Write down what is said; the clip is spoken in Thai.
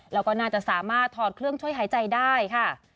แล้วก็น่าจะสามารถถอดเครื่องช่วยหายใจได้ค่ะ